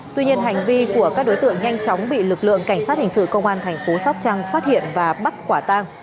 tuy nhiên hành vi của các đối tượng nhanh chóng bị lực lượng cảnh sát hình sự công an thành phố sóc trăng phát hiện và bắt quả tang